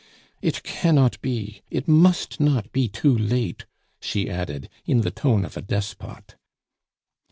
"It cannot be, it must not be too late!" she added, in the tone of a despot.